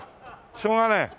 しょうがねえ。